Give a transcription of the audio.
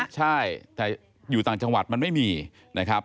ใช่แต่อยู่ต่างจังหวัดมันไม่มีนะครับ